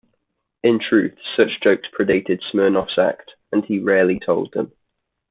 In truth, such jokes predated Smirnoff's act, and he rarely told them.